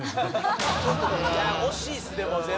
いや惜しいっすでも全部。